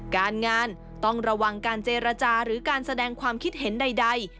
การงานต้องระวังการเจรจาหรือการแสดงความคิดเห็นใด